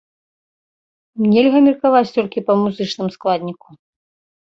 Нельга меркаваць толькі па музычным складніку.